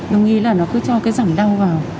đông y là nó cứ cho cái rẳng đau vào